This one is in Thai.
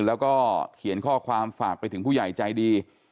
แล้วก็เขียนข้อความฝากไปถึงผู้ใหญ่ใจดี